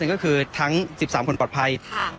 ก็คือทั้ง๑๓คนปลอดภัย